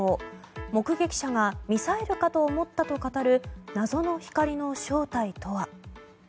目撃者がミサイルかと思ったと語る謎の光の正体とは。